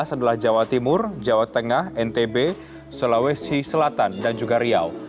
adalah jawa timur jawa tengah ntb sulawesi selatan dan juga riau